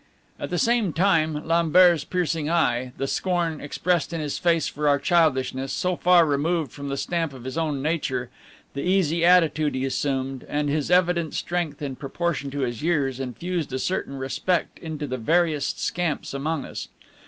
At the same time, Lambert's piercing eye, the scorn expressed in his face for our childishness, so far removed from the stamp of his own nature, the easy attitude he assumed, and his evident strength in proportion to his years, infused a certain respect into the veriest scamps among us.